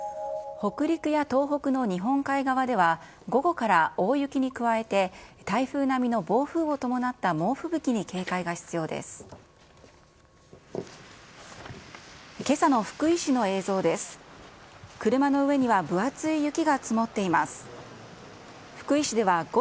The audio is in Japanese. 北陸や東北の日本海側では、午後から大雪に加えて、台風並みの暴風を伴った猛吹雪に警戒が必要です。